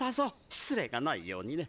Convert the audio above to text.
失礼がないようにね。